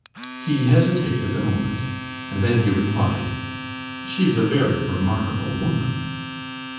He hesitated a moment, and then he replied: "She's a very remarkable woman."